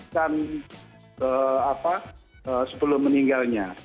dan apa sebelum meninggalnya